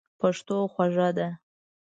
پښتو خوږه ده.